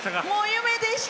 夢でした。